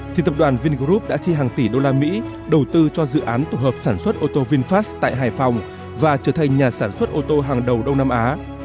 thì tập đoàn vingroup đã chi hàng tỷ đô la mỹ đầu tư cho dự án tổ hợp sản xuất ô tô vinfast tại hải phòng và trở thành nhà sản xuất ô tô hàng đầu đông nam á